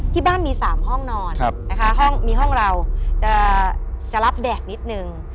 ที่บ้านมี๓ห้องนอนนะคะห้องมีห้องเราจะรับแดกนิดนึง